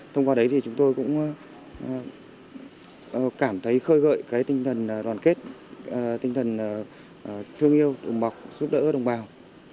thông qua đấy thì chúng tôi cũng cảm thấy khơi gợi cái tinh thần đoàn kết tinh thần thương yêu đùm bọc giúp đỡ đồng bào